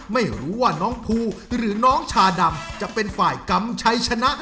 ไม่รู้ว่าน้องภูหรือน้องชาดำจะเป็นฝ่ายกำชัยชนะ